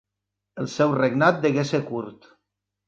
El seu regnat degué ser curt.